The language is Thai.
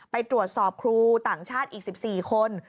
ไปตรวจสอบครูต่างชาติอีก๑๔คน